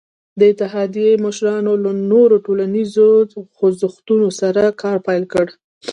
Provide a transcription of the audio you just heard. د اتحادیې مشرانو له نورو ټولنیزو خوځښتونو سره کار پیل کړ.